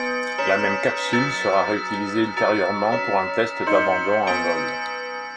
La même capsule sera réutilisée ultérieurement pour un test d'abandon en vol.